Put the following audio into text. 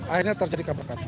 akhirnya terjadi keberkatan